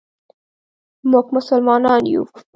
مونږ مسلمانان یو.